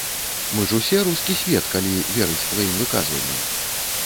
Мы ж усе рускі свет, калі верыць тваім выказванням.